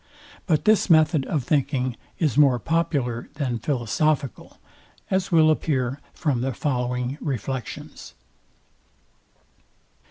But this method of thinking is more popular than philosophical; as will appear from the following reflections.